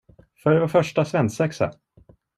För vår första svensexa!